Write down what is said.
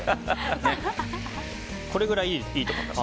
これぐらいでいいと思います。